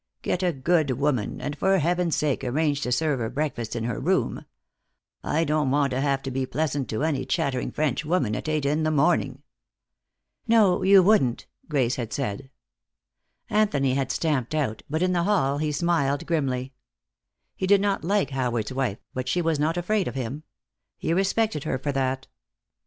Get a good woman, and for heaven's sake arrange to serve her breakfast in her room. I don't want to have to be pleasant to any chattering French woman at eight in the morning." "No, you wouldn't," Grace had said. Anthony had stamped out, but in the hall he smiled grimly. He did not like Howard's wife, but she was not afraid of him. He respected her for that.